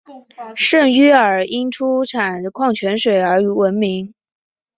圣约尔因出产矿泉水而闻名。